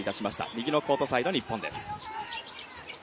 右のコートサイド、日本です。